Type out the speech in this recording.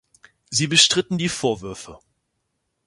Sie bestritten die Vorwürfe.